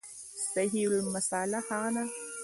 صحیح مسأله هغه ده